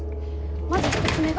まず１つ目が。